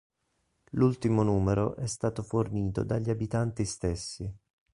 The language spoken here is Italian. L'ultimo numero è stato fornito dagli abitanti stessi.